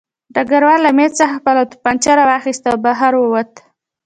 ډګروال له مېز څخه خپله توپانچه راواخیسته او بهر ووت